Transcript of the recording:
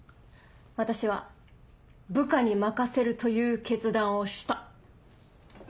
私は「部下に任せる」という決断をした。